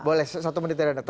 boleh satu menit ya terakhir